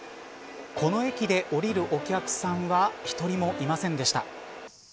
この駅で降りるお客さんは１人もいませんでした。